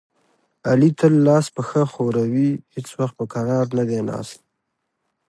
علي تل لاس پښه ښوروي، هېڅ وخت په کرار نه دی ناست.